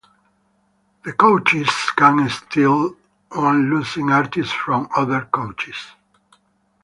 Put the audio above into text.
The coaches can steal one losing artist from other coaches.